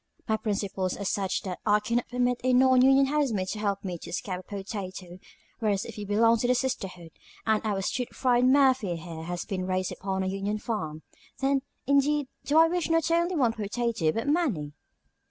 My principles are such that I cannot permit a non union housemaid to help me to a scab potato, whereas, if you belong to the sisterhood, and our stewed friend Murphy here has been raised upon a union farm, then, indeed, do I wish not only one potato but many."